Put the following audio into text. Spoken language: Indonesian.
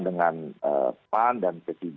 dengan pan dan p tiga